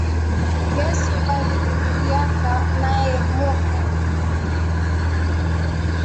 Yesu bali kimbiliaka naye mu egypte